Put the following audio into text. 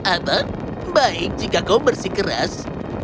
atau baik jika kau bersih keras